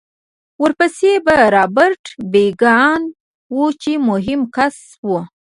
ورپسې به رابرټ بېکان و چې مهم کس و